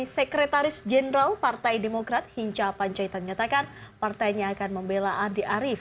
sekretaris jenderal partai demokrat hinca panjaitan menyatakan partainya akan membela andi arief